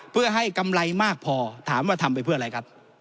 เพื่อให้กำไรมากพอถามว่าทำไปเพื่ออะไรครับ